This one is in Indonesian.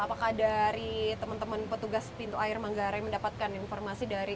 apakah dari teman teman petugas pintu air manggarai mendapatkan informasi dari